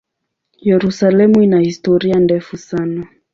Yerusalemu ina historia ndefu sana.